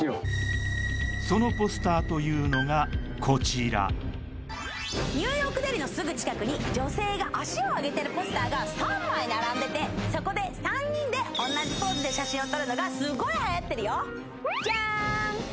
こちらニューヨーク・デリのすぐ近くに女性が足を上げてるポスターが３枚並んでてそこで３人で同じポーズで写真を撮るのがすごいはやってるよジャーン！